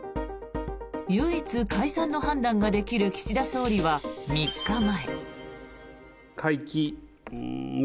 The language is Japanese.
唯一、解散の判断ができる岸田総理は３日前。